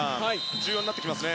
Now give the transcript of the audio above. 重要になってきますね。